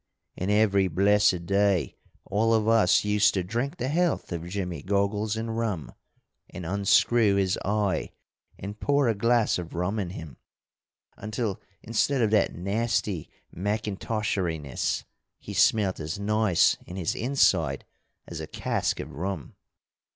And every blessed day all of us used to drink the health of Jimmy Goggles in rum, and unscrew his eye and pour a glass of rum in him, until, instead of that nasty mackintosheriness, he smelt as nice in his inside as a cask of rum.